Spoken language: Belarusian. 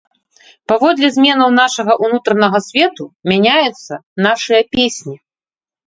Паводле зменаў нашага ўнутранага свету мяняюцца нашыя песні.